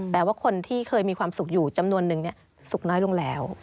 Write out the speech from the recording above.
แต่ว่าคนที่เคยมีความสุขอยู่จำนวนนึงสุขน้อยลงแล้ว